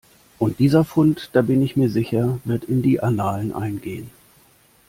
Und dieser Fund, da bin ich mir sicher, wird in die Annalen eingehen.